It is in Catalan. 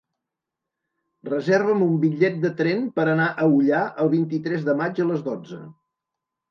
Reserva'm un bitllet de tren per anar a Ullà el vint-i-tres de maig a les dotze.